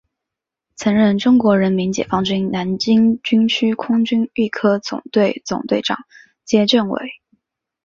曾任中国人民解放军南京军区空军预科总队总队长兼政委。